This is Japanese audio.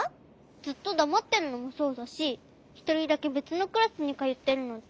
ずっとだまってるのもそうだしひとりだけべつのクラスにかよってるのってへんじゃない？